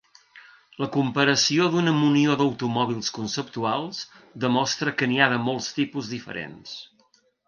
La comparació d’una munió d’automòbils conceptuals demostra que n’hi ha de molts tipus diferents.